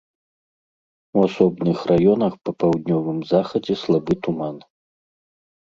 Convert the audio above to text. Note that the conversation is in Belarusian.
У асобных раёнах па паўднёвым захадзе слабы туман.